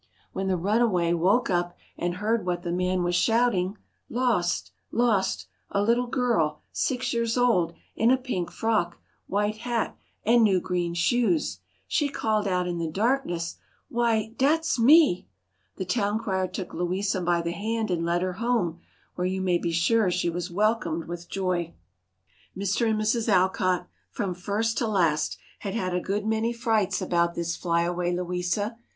When the runaway woke up and heard what the man was shouting "Lost Lost A little girl, six years old, in a pink frock, white hat, and new, green shoes" she called out in the darkness: "Why dat's ME!" The town crier took Louisa by the hand and led her home, where you may be sure she was welcomed with joy. Mr. and Mrs. Alcott, from first to last, had had a good many frights about this flyaway Louisa.